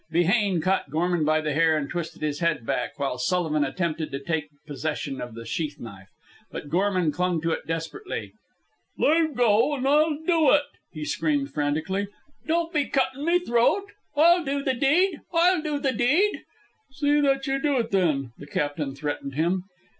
Behane caught Gorman by the hair and twisted his head back, while Sullivan attempted to take possession of the sheath knife. But Gorman clung to it desperately. "Lave go, an' I'll do ut!" he screamed frantically. "Don't be cuttin' me throat! I'll do the deed! I'll do the deed!" "See that you do it, then," the captain threatened him.